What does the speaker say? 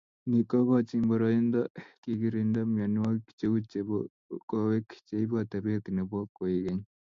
Ni kogochini boroindo kogirinda mianwogik cheu chebo kowek cheibu atepet nebo koekeny